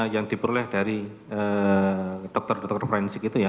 yang diperoleh dari dokter dokter forensik itu ya